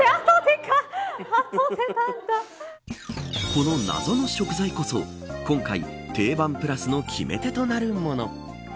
この謎の食材こそ今回、テイバン＋の決め手となるもの。